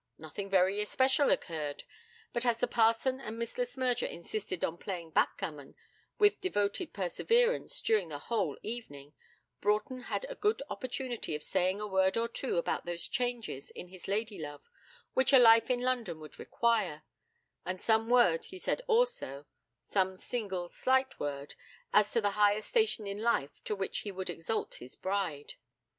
Nothing very especial occurred; but as the parson and Miss Le Smyrger insisted on playing backgammon with devoted perseverance during the whole evening, Broughton had a good opportunity of saying a word or two about those changes in his lady love which a life in London would require and some word he said also some single slight word, as to the higher station in life to which he would exalt his bride.